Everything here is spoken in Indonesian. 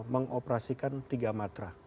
mengoperasikan tiga matrah